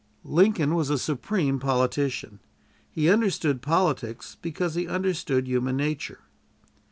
Lincoln was a supreme politician. He understood politics because he understood human nature.